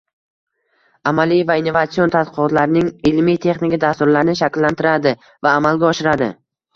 amaliy va innovatsion tadqiqotlarning ilmiy-texnika dasturlarini shakllantiradi va amalga oshiradi;